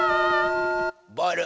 ボール！